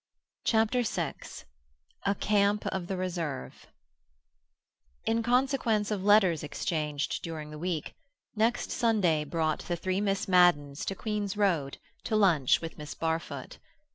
CHAPTER VI A CAMP OF THE RESERVE In consequence of letters exchanged during the week, next Sunday brought the three Miss Maddens to Queen's Road to lunch with Miss Barfoot.